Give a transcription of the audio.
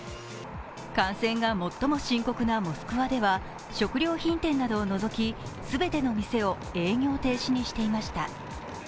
感染が最も深刻なモスクワでは食料品店などを除き全ての店を営業停止にしていました。